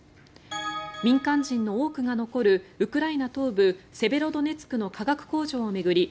民間人の多くが残るウクライナ東部セベロドネツクの化学工場を巡り